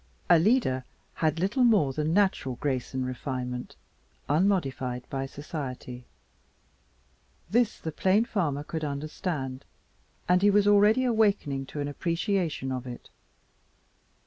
Alida had little more than natural grace and refinement, unmodified by society. This the plain farmer could understand, and he was already awakening to an appreciation of it.